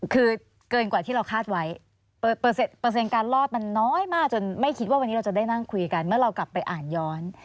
คือเกินกว่าที่เราคาดไว้เปอร์เซ็นต์การรอดมันน้อยมากจนไม่คิดว่าวันนี้เราจะได้นั่งคุยกันเมื่อเรากลับไปอ่านย้อน